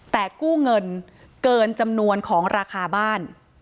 แต่กู้เงินเกินจำนวนของราคาบ้าน